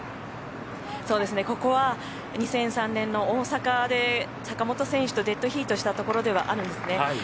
ここは２００３年の大阪でサカモト選手とデッドヒートしたところではあるんですね